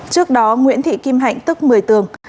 trước đó nguyễn thị kim hạnh tức một mươi tường